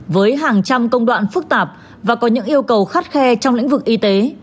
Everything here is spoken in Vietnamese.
với hàng trăm công đoạn phức tạp và có những yêu cầu khắt khe trong lĩnh vực y tế